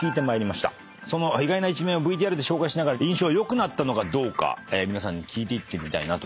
その意外な一面をＶＴＲで紹介しながら印象良くなったのかどうか皆さんに聞いていってみたいなと。